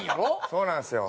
そうなんですよ。